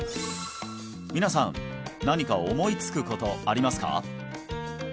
皆さん何か思いつくことありますか？